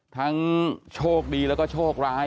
โชคดีแล้วก็โชคร้าย